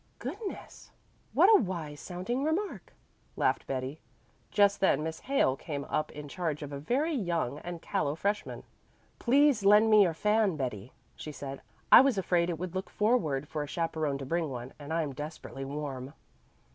"Goodness! what a wise sounding remark," laughed Betty. Just then Miss Hale came up in charge of a very young and callow freshman. "Please lend me your fan, Betty," she said. "I was afraid it would look forward for a chaperon to bring one, and I'm desperately warm."